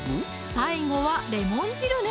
最後はレモン汁ね